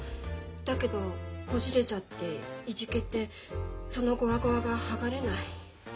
だけどこじれちゃっていじけてそのゴワゴワが剥がれない。